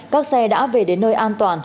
các xe đã về đến nơi an toàn